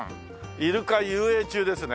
イルカ遊泳中ですね